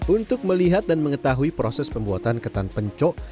untuk melihat dan mengetahui proses pembuatan ketan pencok